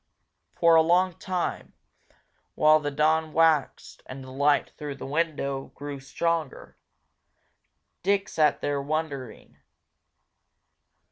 For a long time, while the dawn waxed and the light through the window grew stronger, Dick sat there wondering.